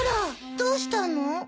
どうしたの？